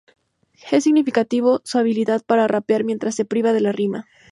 Es significativo su habilidad para rapear mientras se priva de la rima.